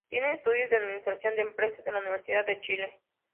Tiene estudios de administración de empresas en la Universidad de Chile.